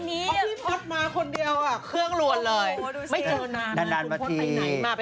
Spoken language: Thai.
ไม่เจอนานมาที